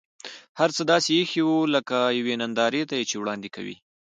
هر څه داسې اېښي و لکه یوې نندارې ته یې چې وړاندې کوي.